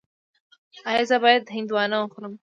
ایا زه باید هندواڼه وخورم؟